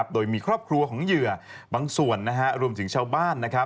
โดยมีครอบครัวของเหยื่อบางส่วนรวมถึงชาวบ้าน